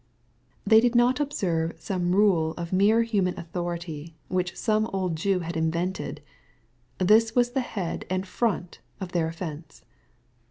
They did not observe some rule of mere human authority, which some old Jew had invented I This was the head and front of their offence